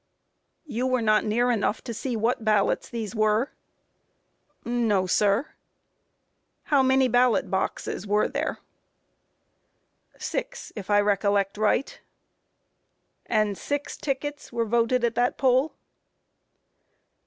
Q. You were not near enough to see what these ballots were? A. No, sir. Q. How many ballot boxes were there? A. Six, if I recollect right. Q. And six tickets voted at that poll?